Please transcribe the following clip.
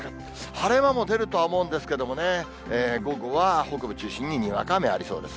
晴れ間も出るとは思うんですけれども、午後は北部中心ににわか雨ありそうです。